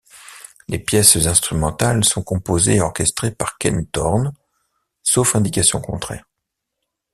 Les pièces instrumentales sont composées et orchestrées par Ken Thorne sauf indications contraires.